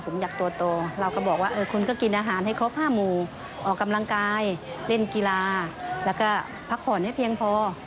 ผมอยากตัวโตเราก็บอกว่าคุณก็กินอาหารให้ครบ๕หมู่ออกกำลังกายเล่นกีฬาแล้วก็พักผ่อนให้เพียงพอ